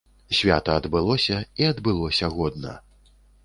Свята адбылося, і адбылося годна.